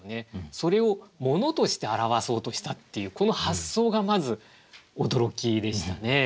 それをものとして表そうとしたっていうこの発想がまず驚きでしたね。